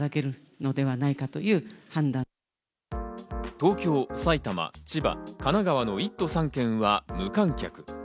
東京、埼玉、千葉、神奈川の１都３県は無観客。